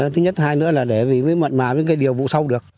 thứ nhất thứ hai nữa là để với mạnh mả với cái điều vụ sau được